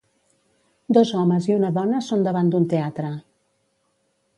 Dos homes i una dona són davant d'un teatre